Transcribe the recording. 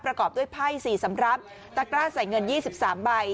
ประกอบด้วยไพ่สี่สำรับตะกร้าใส่เงินยี่สิบสามใบ